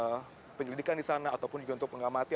melakukan penyelidikan di sana ataupun juga untuk mengamati